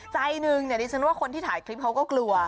ใจหนึ่งดิฉันว่าคนที่ถ่ายคลิปเขาก็กลัว